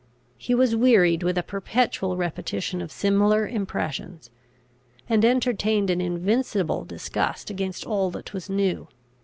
He was wearied with a perpetual repetition of similar impressions; and entertained an invincible disgust against all that was new.